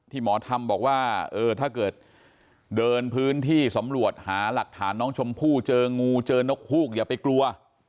หมอธรรมบอกว่าเออถ้าเกิดเดินพื้นที่สำรวจหาหลักฐานน้องชมพู่เจองูเจอนกฮูกอย่าไปกลัว